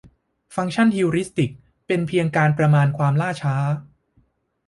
ฟังก์ชันฮิวริสติกเป็นเพียงการประมาณความล่าช้า